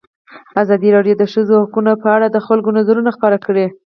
ازادي راډیو د د ښځو حقونه په اړه د خلکو نظرونه خپاره کړي.